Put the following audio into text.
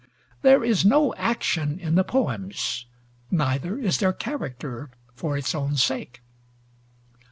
There is no action in the poems; neither is there character for its own sake.